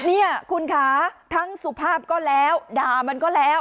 เนี่ยคุณคะทั้งสุภาพก็แล้วด่ามันก็แล้ว